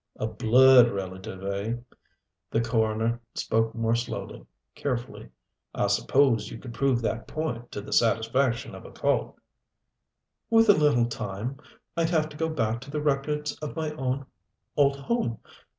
"A blood relative, eh?" The coroner spoke more slowly, carefully. "I suppose you could prove that point to the satisfaction of a court." "With a little time. I'd have to go back to the records of my own old home.